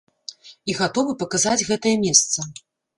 І гатовы паказаць гэтае месца.